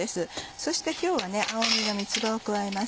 そして今日は青みの三つ葉を加えます。